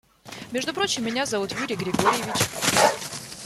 Между прочим, меня зовут Юрий Григорьевич.